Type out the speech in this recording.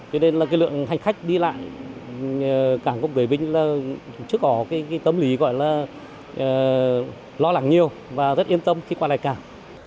vì vậy lượng hành khách đi lại cảng không quốc tế vinh trước có tâm lý lo lắng nhiều và rất yên tâm khi qua lại cảng